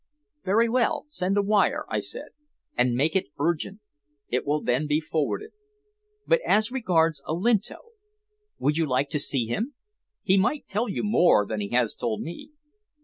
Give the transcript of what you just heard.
"Very well. Send a wire," I said. "And make it urgent. It will then be forwarded. But as regards Olinto? Would you like to see him? He might tell you more than he has told me."